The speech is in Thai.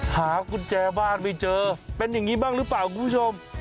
หากุญแจบ้านไม่เจอเป็นอย่างนี้บ้างหรือเปล่าคุณผู้ชม